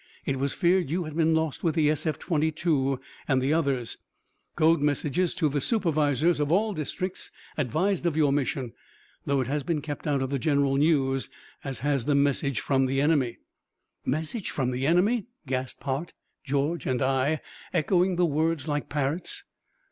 It was feared you had been lost with the SF 22 and the others. Code messages to the supervisors of all districts advised of your mission, though it has been kept out of the general news, as has the message from the enemy." "Message from the enemy!" gasped Hart, George and I, echoing the words like parrots.